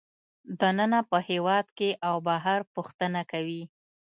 دننه په هېواد کې او بهر پوښتنه کوي